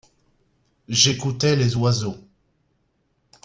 j'écoutais les oiseaux.